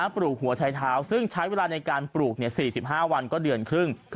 ปลูกหัวชายเท้าซึ่งใช้เวลาในการปลูก๔๕วันก็เดือนครึ่ง